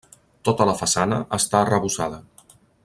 Tota la façana està arrebossada.